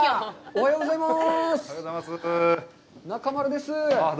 おはようございます。